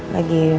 lagi mulai percaya